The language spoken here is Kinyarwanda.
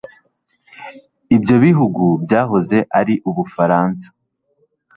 Ibyo bihugu byahoze ari Ubufaransa